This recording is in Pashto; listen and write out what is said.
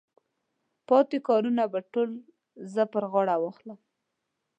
پاتې کارونه به ټول زه پر غاړه واخلم.